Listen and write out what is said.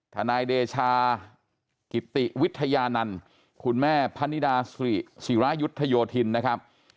ทนายเดชากิติวิทยานันต์คุณแม่พนิดาศิรายุทธโยธินนะครับ